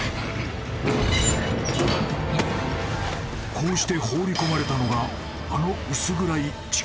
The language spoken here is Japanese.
［こうして放り込まれたのがあの薄暗い］